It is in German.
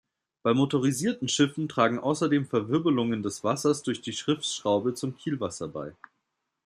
Bei motorisierten Schiffen tragen außerdem Verwirbelungen des Wassers durch die Schiffsschraube zum Kielwasser bei.